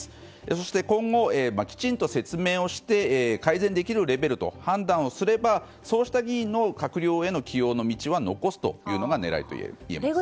そして今後、きちんと説明をして改善できるレベルと判断をすればそうした議員の閣僚への起用の道は残すというのが狙いといえます。